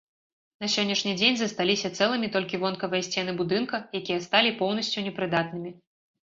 На сённяшні дзень засталіся цэлымі толькі вонкавыя сцены будынка, якія сталі поўнасцю непрыдатнымі.